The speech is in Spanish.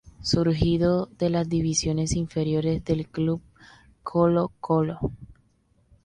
Surgido de las divisiones inferiores del club Colo-Colo.